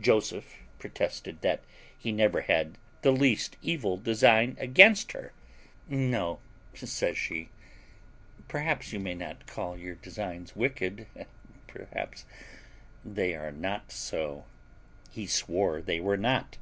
Joseph protested that he never had the least evil design against her. "No," says she, "perhaps you may not call your designs wicked; and perhaps they are not so." He swore they were not.